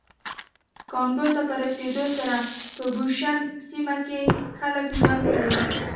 کانګو ته په رسېدو سره په بوشونګ سیمه کې خلک ژوند کوي